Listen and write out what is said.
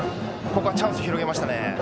ここはチャンスを広げました。